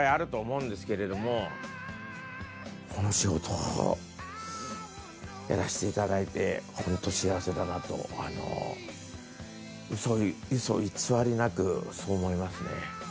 この仕事をやらしていただいてホント幸せだなとウソ偽りなくそう思いますね。